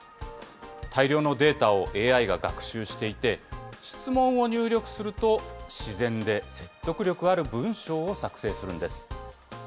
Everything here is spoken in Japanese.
大量のデータをＡＩが学習していて、質問を入力すると自然で説得力ある文章を作成するんです。